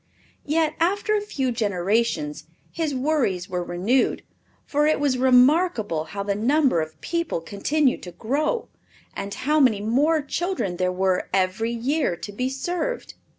Yet after a few generations his worries were renewed, for it was remarkable how the number of people continued to grow, and how many more children there were every year to be served.